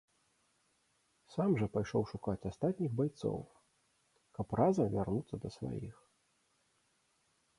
Сам жа пайшоў шукаць астатніх байцоў, каб разам вярнуцца да сваіх.